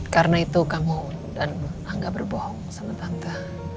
karena itu kamu dan angga berbohong sama tante